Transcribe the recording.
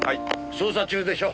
捜査中でしょ。